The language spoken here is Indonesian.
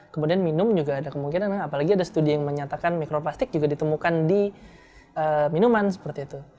kemudian minum juga ada kemungkinan apalagi ada studi yang menyatakan mikroplastik juga ditemukan di minuman seperti itu